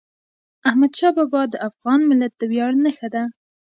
احمدشاه بابا د افغان ملت د ویاړ نښه ده.